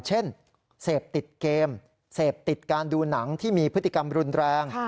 เช่นเสพติดเกมเสพติดการดูหนังที่มีพฤติกรรมรุนแรง